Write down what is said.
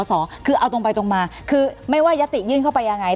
สอคือเอาตรงไปตรงมาคือไม่ว่ายัตติยื่นเข้าไปยังไง